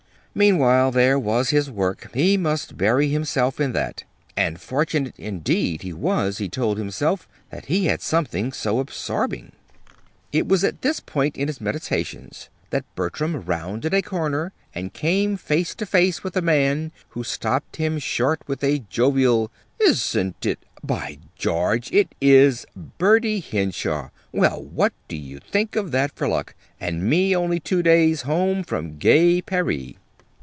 Meanwhile there was his work. He must bury himself in that. And fortunate, indeed, he was, he told himself, that he had something so absorbing. It was at this point in his meditations that Bertram rounded a corner and came face to face with a man who stopped him short with a jovial: "Isn't it by George, it is Bertie Henshaw! Well, what do you think of that for luck? and me only two days home from 'Gay Paree'!"